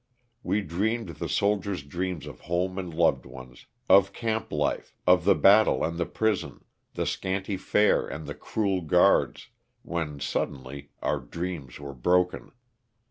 We dreamed the soldier's dreams of home and loved ones, of camp life, of the battle and the prison, the scanty fare and the cruel guards, when, suddenly, our dreams were broken.